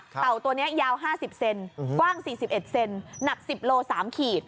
ตัวนี้ยาว๕๐เซนกว้าง๔๑เซนหนัก๑๐โล๓ขีด